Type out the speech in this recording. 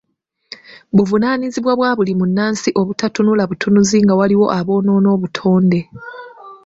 Buvunaanyizibwa bwa buli munnansi obutatunula butunuzi nga waliwo aboonoona obutonde.